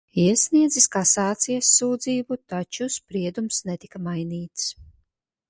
Iesniedzis kasācijas sūdzību, taču spriedums netika mainīts.